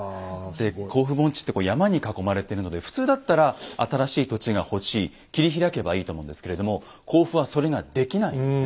で甲府盆地って山に囲まれてるので普通だったら新しい土地が欲しい切り開けばいいと思うんですけれども甲府はそれができないんですね。